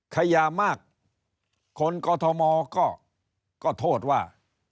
ขยามากคนกอทมก็โทษว่า